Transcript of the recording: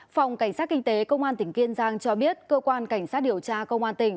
phòng cảnh sát kinh tế công an tỉnh kiên giang cho biết cơ quan cảnh sát điều tra công an tỉnh